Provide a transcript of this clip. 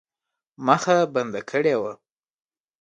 مخه بنده کړې وه.